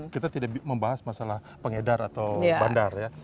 kita tidak membahas masalah pengedar atau bandar ya